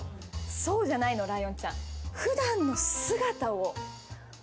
そうじゃないの、ライオンちゃん。